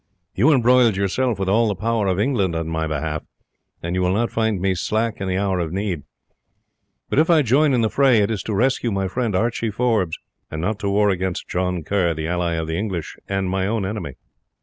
You embroiled yourself with all the power of England in my behalf, and you will not find me slack in the hour of need. But if I join in the fray it is to rescue my friend Archie Forbes, and not to war against John Kerr, the ally of the English, and my own enemy."